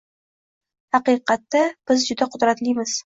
Haqiqatda biz juda qudratlimiz